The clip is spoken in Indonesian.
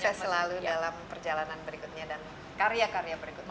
sehat selalu dalam perjalanan berikutnya dan karya karya berikutnya